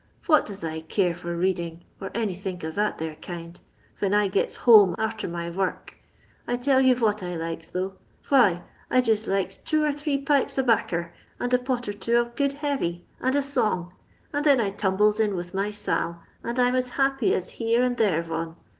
Yot does I care for reading, or any think of that there kind, ven I gets home arter my vork ? I tell you vot I likes, though 1 vhy, I jist likes two or three pipes o' baocer, and a pot or two of good heavy and a song, and then I tumbles in with my Sail, and I'm as happy as here and there von.